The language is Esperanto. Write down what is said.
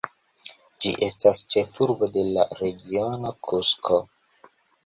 Ĝi estas ĉefurbo de la Regiono Kusko.